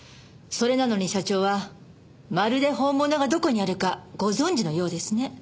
それなのに社長はまるで本物がどこにあるかご存じのようですね。